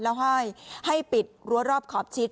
แล้วห้อยให้ปิดรั้วรอบขอบชิด